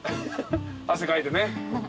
汗かいてね。